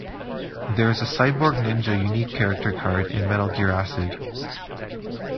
There is a Cyborg Ninja unique character card in "Metal Gear Acid".